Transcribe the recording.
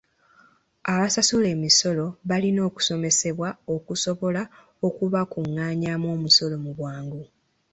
Abasasula emisolo balina okusomesebwa okusobola okubakungaanyaamu omusolo mu bwangu.